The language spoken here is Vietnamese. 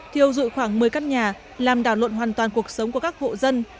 thiêu rụi khoảng một mươi các nhà làm đảo luận hoàn toàn cuộc sống của các vụ dân